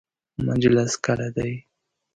مجلس کله دی؟